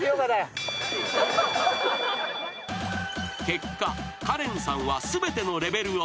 ［結果カレンさんは全てのレベルをクリア］